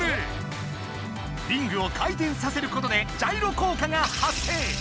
リングを回転させることでジャイロ効果が発生。